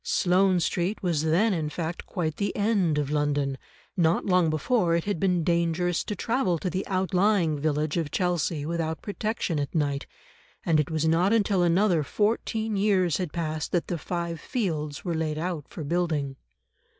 Sloane Street was then in fact quite the end of London; not long before it had been dangerous to travel to the outlying village of Chelsea without protection at night, and it was not until another fourteen years had passed that the Five Fields were laid out for building.